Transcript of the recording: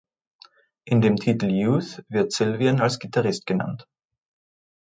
In dem Titel "Youth" wird Sylvian als Gitarrist genannt.